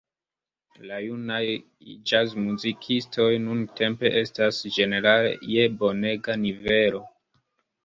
La junaj ĵazmuzikistoj nuntempe estas ĝenerale je bonega nivelo.